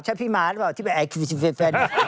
ใช่พี่ม้าหรือเปล่าที่ไปไอคิวแฟน